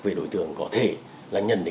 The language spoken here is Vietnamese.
về đối tượng có thể là nhận định ra